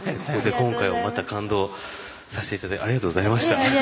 今回も感動させていただいてありがとうございました。